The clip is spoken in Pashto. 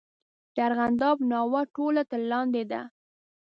د ارغنداب ناوه ټوله تر لاندې ده.